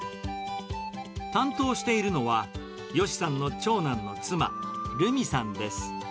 担当しているのは、ヨシさんの長男の妻、るみさんです。